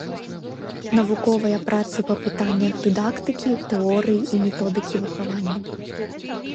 Навуковыя працы па пытаннях дыдактыкі, тэорыі і методыкі выхавання.